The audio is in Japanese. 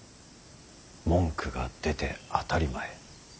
文句が出て当たり前。